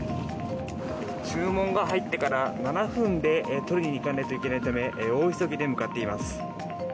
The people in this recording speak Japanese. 注文が入ってから７分で取りにいかないといけないため大急ぎで向かっています。